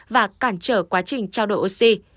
và cản trở quá trình trao đổi oxy